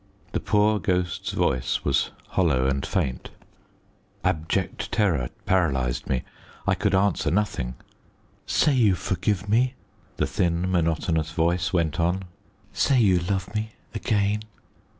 The poor ghost's voice was hollow and faint. Abject terror paralyzed me. I could answer nothing. "Say you forgive me," the thin, monotonous voice went on; "say you love me again."